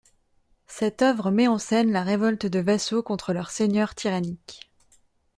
Cette œuvre met en scène la révolte de vassaux contre leur seigneur tyrannique.